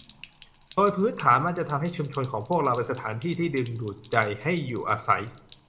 โดยพื้นฐาน มันจะทำให้ชุมชนของพวกเราเป็นสถานที่ที่ดึงดูดใจให้อยู่อาศัย